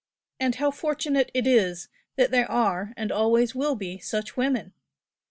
And how fortunate it is that there are, and always will be such women!